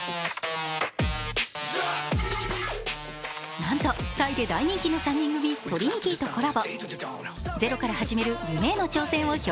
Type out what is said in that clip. なんとタイで大人気の３人組ＴＲＩＮＩＴＹとコラボ。